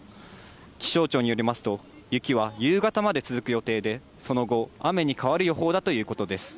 気象庁によりますと、雪は夕方まで続く予定で、その後、雨に変わる予報だということです。